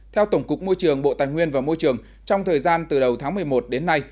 theo tổng cục môi trường bộ tài nguyên và môi trường trong thời gian từ đầu tháng một mươi một đến nay